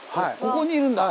ここにいるんだ。